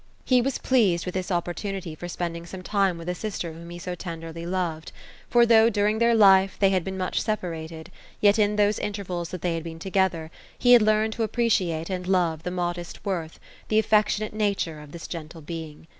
He was pleased with this opportunity for spending some time with a sister whom he so tenderly loved ; for though during their life they had been much separated, yet in those intervals that they had been together, he had learned to appreciate and love the modest worth, the affectionate nature of this gentle being.